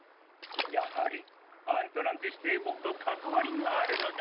やはりアントランティスていこくとかかわりがあるのだ。